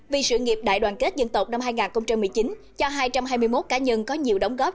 vì sự nghiệp đại đoàn kết dân tộc năm hai nghìn một mươi chín cho hai trăm hai mươi một cá nhân có nhiều đóng góp